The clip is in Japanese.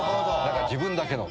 「自分だけの」